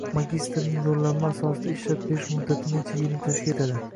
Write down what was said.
magistrning yo‘llanma asosida ishlab berish muddati necha yilni tashkil qiladi?